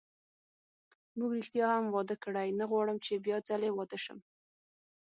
موږ ریښتیا هم واده کړی، نه غواړم چې بیا ځلي واده شم.